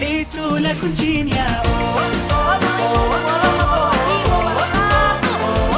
asalamualaikum warahmatullahi wabarakatuh